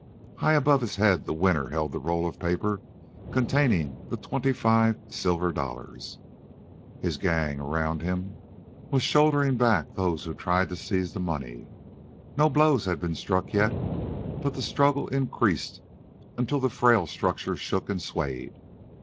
High above his head, the winner held the roll of paper containing the twenty five silver dollars. His gang, around him, was shouldering back those who tried to seize the money. No blows had been struck yet, but the struggle increased until the frail structure shook and swayed.